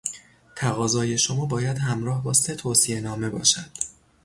تقاضای شما باید همراه با سه توصیهنامه باشد.